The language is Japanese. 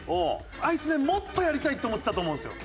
あいつねもっとやりたいって思ってたと思うんですよ。